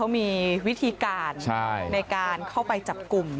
มีวิธีการในการเข้าไปจับกลุ่ม